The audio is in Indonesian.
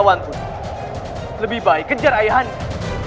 awanpun lebih baik kejar ayahandamu